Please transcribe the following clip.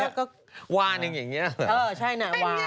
วาหนึ่งอย่างนี้หรอเป็นอย่างนี้หรอเออใช่น่ะวา